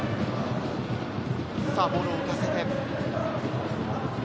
ボールを浮かせて。